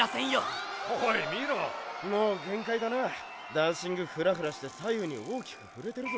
ダンシングフラフラして左右に大きく振れてるぞ。